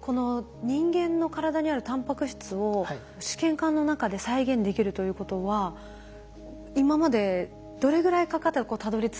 この人間の体にあるタンパク質を試験管の中で再現できるということは今までどれぐらいかかってたどりついたところなんでしょうか？